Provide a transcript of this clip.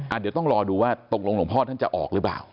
เดี๋ยวต้องรอดูว่าตกลงหลวงพ่อท่านจะออกหรือเปล่า